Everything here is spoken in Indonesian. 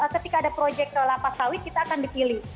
ketika ada proyek lapas sawit kita akan dipilih